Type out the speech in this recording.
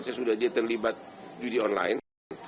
sesudah dia terlibat judi online